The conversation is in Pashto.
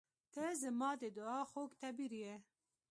• ته زما د دعا خوږ تعبیر یې.